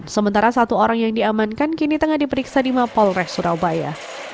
sementara satu orang yang diamankan kini tengah diperiksa di mapolres surabaya